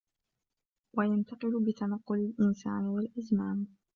وَيَنْتَقِلُ بِتَنَقُّلِ الْإِنْسَانِ وَالْأَزْمَانِ